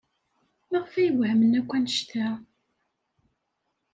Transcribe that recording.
Maɣef ay wehmen akk anect-a?